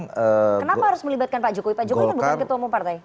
kenapa harus melibatkan pak jokowi pak jokowi kan bukan ketua umum partai